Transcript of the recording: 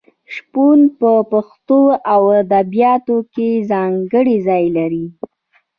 شپون په پښتو ادبیاتو کې ځانګړی ځای لري.